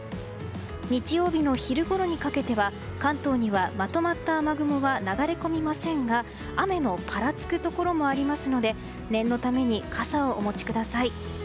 日曜日の昼ごろにかけては関東にはまとまった雨雲は流れ込みませんが雨のぱらつくところもありますので念のために傘をお持ちください。